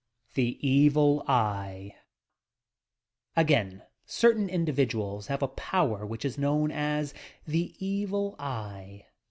THE '' ETIL ETE' ' Again, certain individuals have a power which is known as the "Evil Eye."